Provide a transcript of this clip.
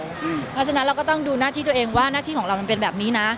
เพราะฉะนั้นเราก็ต้องดูหน้าที่ตัวเองว่าหน้าที่ของเรามันเป็นแบบนี้นะ